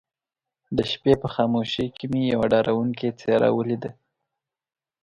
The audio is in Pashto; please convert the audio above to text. د شپې په خاموشۍ کې مې يوه ډارونکې څېره وليده.